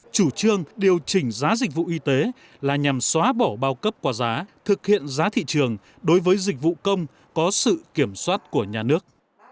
chủ trương điều chỉnh giá dịch vụ y tế là nhằm xóa bỏ bao cấp quả giá thực hiện giá thị trường đối với dịch vụ công có sự kiểm soát của nhà nước